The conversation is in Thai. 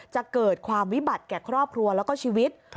จะเกิดความวิบัติแก่ครอบครัวแล้วก็ชีวิต